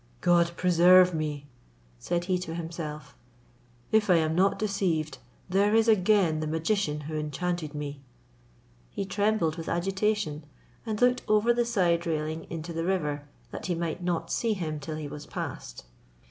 "God preserve me," said he to himself; "if I am not deceived, there is again the magician who enchanted me!" He trembled with agitation, and looked over the side railing into the river, that he might not see him till he was past.